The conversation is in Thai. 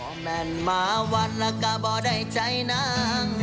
บอร์แมนมาวันละกะบอร์ได้ใจนัง